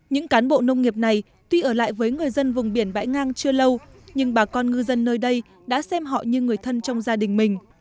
những cán bộ nông nghiệp này tuy ở lại với người dân vùng biển bãi ngang chưa lâu nhưng bà con ngư dân nơi đây đã xem họ như người thân trong gia đình mình